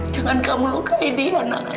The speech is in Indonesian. jangan kamu lukai dia nana